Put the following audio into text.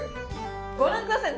ご覧ください